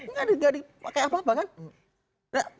nggak dipakai apa apa kan